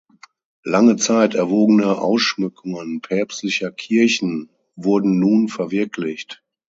Lange Zeit erwogene Ausschmückungen päpstlicher Kirchen wurden nun verwirklicht.